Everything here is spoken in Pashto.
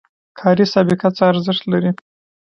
کاري سابقه څه ارزښت لري؟